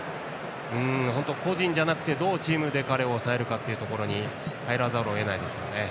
本当に個人じゃなくてどうチームで彼を抑えるかに入らざるを得ないですよね。